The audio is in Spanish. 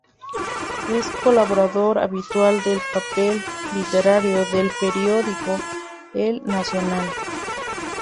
Es colaborador habitual del Papel Literario del periódico El Nacional.